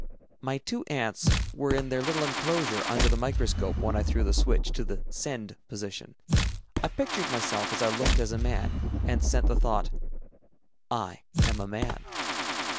My two ants were in their little enclosure under the microscope when I threw the switch to the "send" position. I pictured myself as I looked as a man, and sent the thought, "I am a man."